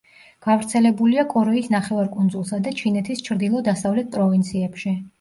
გავრცელებულია კორეის ნახევარკუნძულსა და ჩინეთის ჩრდილო-დასავლეთ პროვინციებში.